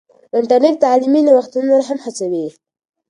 انټرنیټ تعلیمي نوښتونه نور هم هڅوي.